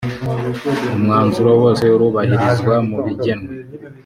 umwanzuro wose urubahirizwa mubigenwe.